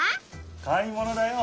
買い物だよ。